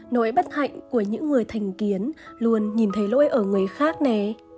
nỗi bất hạnh của những người thành kiến luôn nhìn thấy lỗi ở người khác nè